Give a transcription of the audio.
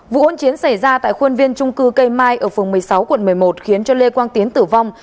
vụ hôn chiến xảy ra tại khuôn viên trung cư cây mai ở phường một mươi sáu quận một mươi một khiến cho lê quang tiến tử vong